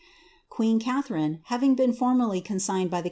*' Queen Catharine having been formally consigned by the